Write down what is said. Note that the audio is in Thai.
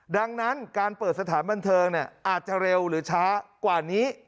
ดังนั้นการเปิดสถานบันเทิงอาจจะเร็วหรือช้ากว่านี้